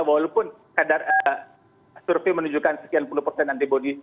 walaupun kadar survei menunjukkan sekian puluh persen antibody